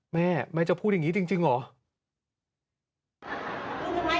แม่แม่จะพูดแบบนี้จริงหรอ